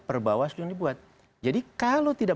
perbawas itu dibuat jadi kalau tidak